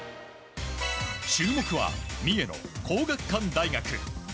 注目は三重の皇學館大学。